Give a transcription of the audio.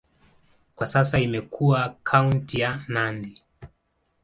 Kwa sasa imekuwa kaunti ya Nandi.